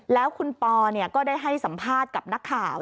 แล้วคุณปอก็ได้ให้สัมภาษณ์กับนักข่าว